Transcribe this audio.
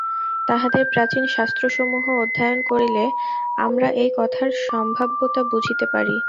তাঁহাদের প্রাচীন শাস্ত্রসমূহ অধ্যয়ন করিলে আমরা এই কথার সম্ভাব্যতা বুঝিতে পারি।